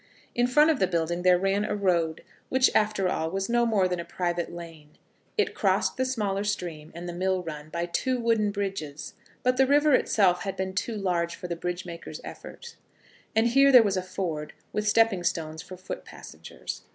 In front of the building there ran a road, which after all was no more than a private lane. It crossed the smaller stream and the mill run by two wooden bridges; but the river itself had been too large for the bridge maker's efforts, and here there was a ford, with stepping stones for foot passengers.